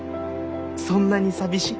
そんなに寂しい？